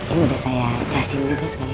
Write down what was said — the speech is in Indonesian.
ini udah saya casin juga sekarang ya